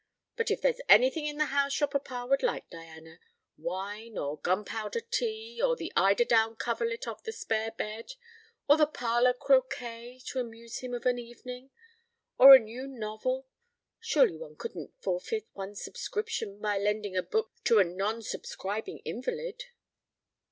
But if there's anything in the house your papa would like, Diana wine, or gunpowder tea, or the eider down coverlet off the spare bed, or the parlour croquet, to amuse him of an evening, or a new novel surely one couldn't forfeit one's subscription by lending a book to a non subscribing invalid?"